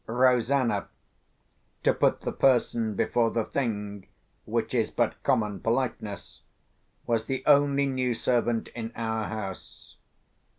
Rosanna (to put the Person before the Thing, which is but common politeness) was the only new servant in our house.